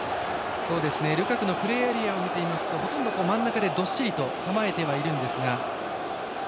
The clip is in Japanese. ルカクのプレーエリアを見てみますとほとんど真ん中でどっしりと構えてはいるんですが。